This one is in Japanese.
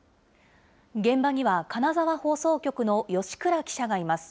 現場には金沢放送局の吉倉記者がいます。